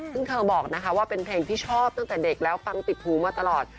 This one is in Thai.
ซึ่งเธอบอกนะคะว่าเป็นเพลงที่ชอบตั้งแต่เด็กแล้วฟังติดหูมาตลอด